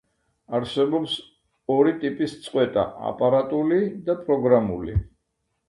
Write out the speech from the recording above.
არსებობს ორი ტიპის წყვეტა: აპარატურული და პროგრამული.